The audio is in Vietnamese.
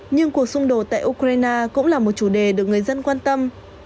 nhưng cuộc xung đột tại ukraine cũng là một chủ đề được người dân quan tâm